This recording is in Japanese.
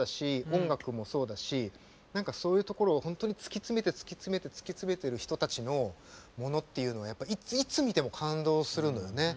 音楽もそうだしそういうところ、突き詰めて突き詰めている人たちのものっていうのはいつ見ても感動するのよね。